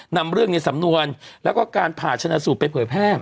นำเรื่องในสำนวนแล้วก็การผ่าชนะสูตรไปเผยแพร่